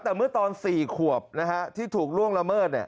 แต่เมื่อตอน๔ขวบที่ถูกล่วงละเมิด